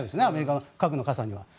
アメリカの核の傘には。